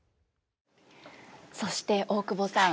そして大久保さん